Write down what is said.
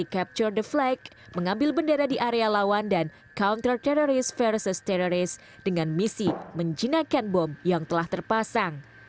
capture the flag mengambil bendera di area lawan dan counter teroris versus teroris dengan misi menjinakkan bom yang telah terpasang